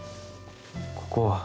ここは？